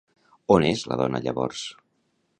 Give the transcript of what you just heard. On és la dona llavors?